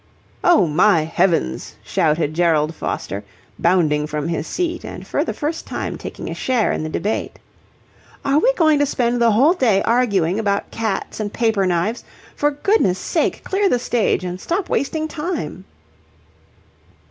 "Oh, my heavens!" shouted Gerald Foster, bounding from his seat and for the first time taking a share in the debate. "Are we going to spend the whole day arguing about cats and paper knives? For goodness' sake, clear the stage and stop wasting time."